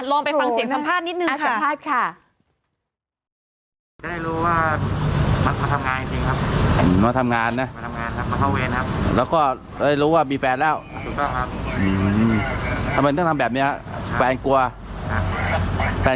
ลองไปฟังเสียงสัมภาษณ์นิดนึงค่ะ